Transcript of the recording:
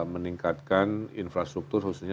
meningkatkan infrastruktur khususnya